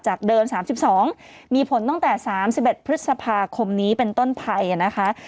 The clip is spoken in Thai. เดิม๓๒มีผลตั้งแต่๓๑พฤษภาคมนี้เป็นต้นภัยนะคะ